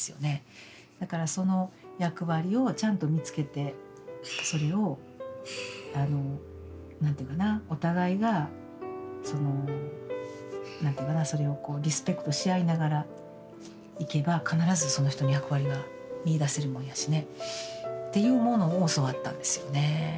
だからその役割をちゃんと見つけてそれをあの何て言うかなお互いがその何て言うかなそれをリスペクトしあいながらいけば必ずその人の役割が見いだせるもんやしねっていうものを教わったんですよね。